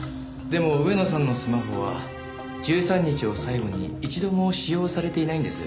でも上野さんのスマホは１３日を最後に一度も使用されていないんです。